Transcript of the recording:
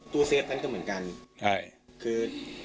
ตู้เซฟนั้นก็เหมือนกัน